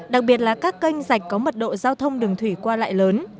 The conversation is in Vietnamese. đặc biệt là các kênh dạch có mật độ giao thông đường thủy qua lại lớn